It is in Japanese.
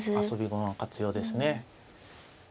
遊び駒の活用ですね。